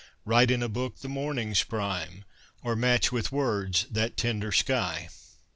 Write in a book the morning's prime ? Or match with words that tender sky ?